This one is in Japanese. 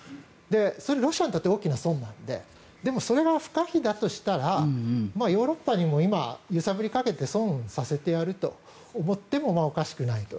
それ、ロシアにとっては大きな損なのででもそれは不可避だとしたらヨーロッパにも今、揺さぶりをかけて損をさせてやると思ってもおかしくないと。